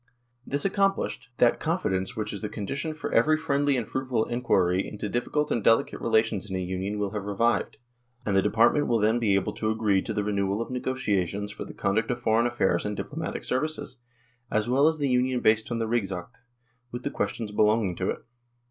This accomplished, that confidence which is the condition for every friendly and fruitful enquiry into difficult and delicate relations in a Union will have revived, and the Department will then be able to agree to the renewal of negotiations for the conduct of foreign affairs and diplomatic services, as well as the union based on the ' Rigsakt '" with the questions belonging to it.